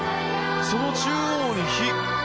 その中央に灯。